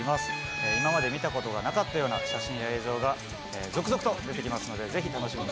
今まで見たことがなかったような写真や映像が続々と出てきますのでぜひ楽しみにしていてください。